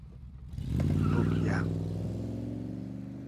بوگیۂ